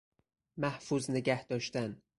محفوظ نگهداشتن